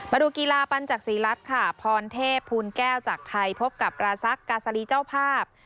มาดูกีฬาปัญจักษีรัฐค่ะพรเทพภูลแก้วจากไทยพบกับราซักกาซาลีเจ้าภาพ